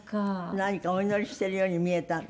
何かお祈りしているように見えたんで。